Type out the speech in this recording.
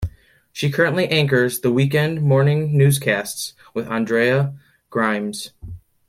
She currently anchors the weekend morning newscasts with Andrea Grymes.